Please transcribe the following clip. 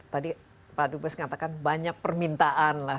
tadi pak dubes mengatakan banyak permintaan lah